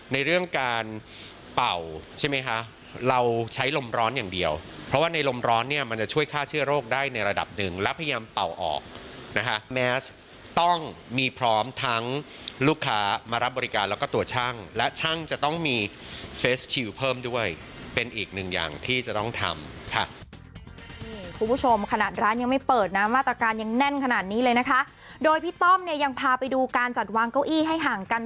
ในเรื่องการเป่าใช่ไหมคะเราใช้ลมร้อนอย่างเดียวเพราะว่าในลมร้อนเนี่ยมันจะช่วยฆ่าเชื้อโรคได้ในระดับหนึ่งแล้วพยายามเป่าออกนะคะแมสต้องมีพร้อมทั้งลูกค้ามารับบริการแล้วก็ตัวช่างและช่างจะต้องมีเฟสชิลเพิ่มด้วยเป็นอีกหนึ่งอย่างที่จะต้องทำค่ะคุณผู้ชมขนาดร้านยังไม่เปิดนะมาตรการยังแน่นขนาดนี้เลยนะคะโดยพี่ต้อมเนี่ยยังพาไปดูการจัดวางเก้าอี้ให้ห่างกัน